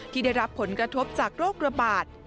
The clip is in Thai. ที่ได้รับผลกระทบจากโรคระบาด